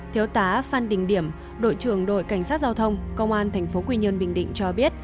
thiếu tá phan đình điểm đội trưởng đội cảnh sát giao thông công an tp quy nhơn bình định cho biết